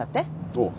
おう。